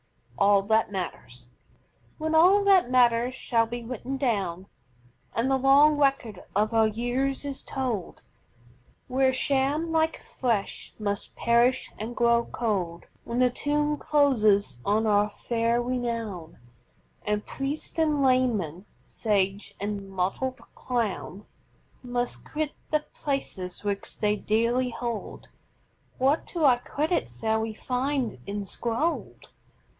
A. G._ ALL THAT MATTERS When all that matters shall be written down And the long record of our years is told, Where sham, like flesh, must perish and grow cold; When the tomb closes on our fair renown And priest and layman, sage and motleyed clown Must quit the places which they dearly hold, What to our credit shall we find enscrolled?